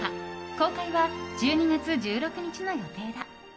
公開は１２月１６日の予定だ。